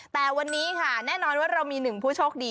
แต่วันนี้ค่ะแน่นอนว่าเรามีหนึ่งผู้โชคดี